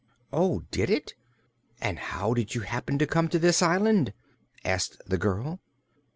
"Oh, did it? And how did you happen to come to this island?" asked the girl.